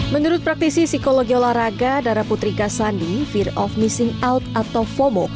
menurut praktisi psikologi olahraga darah putri gasandi fear of missing out atau fomo